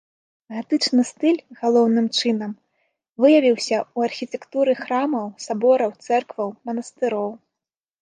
Гатычны стыль, галоўным чынам, выявіўся ў архітэктуры храмаў, сабораў, цэркваў, манастыроў.